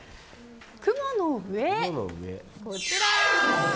雲の上、こちら。